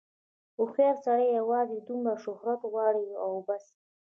هوښیار سړی یوازې دومره شهرت غواړي او بس.